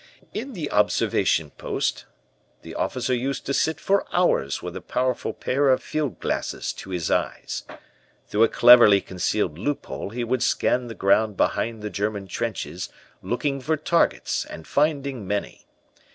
"In the observation post, the officer used to sit for hours with a powerful pair of field glasses to his eyes. Through a cleverly concealed loophole he would scan the ground behind the German trenches, looking for targets, and finding many.